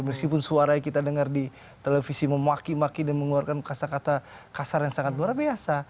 meskipun suara yang kita dengar di televisi memaki maki dan mengeluarkan kata kata kasar yang sangat luar biasa